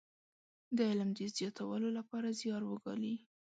د علم د زياتولو لپاره زيار وګالي.